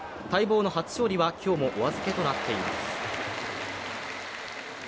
待望の初勝利は、今日もお預けとなっています。